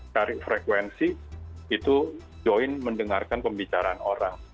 cari frekuensi itu join mendengarkan pembicaraan orang